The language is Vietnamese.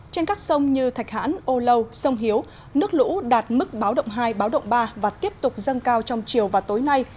trên các sông như thạch hãn âu lâu sông hiếu nước lũ đạt mức báo động hai báo động ba và tiếp tục dâng cao trong chiều và tối nay